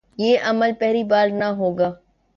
یہ عمل پہلی بار نہ ہو گا۔